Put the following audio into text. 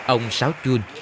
ông sáu jun